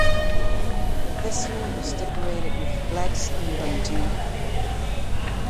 The vessel was decorated with flags and bunting.